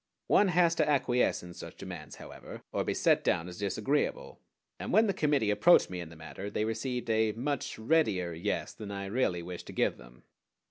One has to acquiesce in such demands, however, or be set down as disagreeable, and when the committee approached me in the matter they received a much readier yes than I really wished to give them.